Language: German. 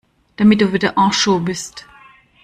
Damit du wieder à jour bist.